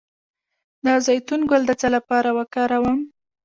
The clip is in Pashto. د زیتون ګل د څه لپاره وکاروم؟